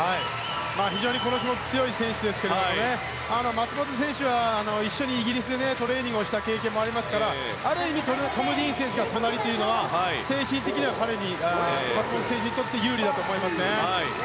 非常にこの種目に強い選手ですが松元選手は一緒にイギリスでトレーニングをした経験がありますからある意味トム・ディーン選手が隣というのは精神的には松元選手にとって有利だと思いますね。